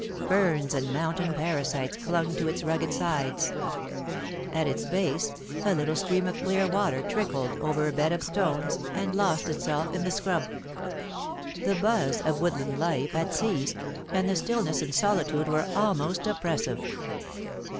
Ferns and mountain parasites clung to its rugged sides. At its base, a little stream of clear water trickled over a bed of stones and lost itself in the scrub. The buzz of woodland life had ceased, and the stillness and solitude were almost oppressive.